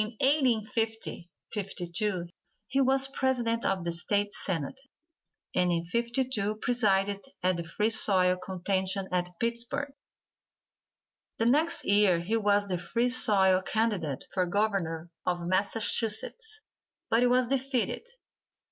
In 1850 52 he was president of the State Senate, and in '52 presided at the Free Soil contention at Pittsburgh. The next year he was the Free Soil candidate for Governor of Massachusetts, but was defeated.